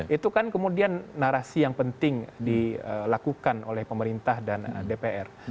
itu kan kemudian narasi yang penting dilakukan oleh pemerintah dan dpr